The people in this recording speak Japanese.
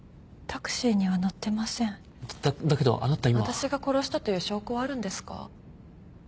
私が殺したという証拠はあるんですか？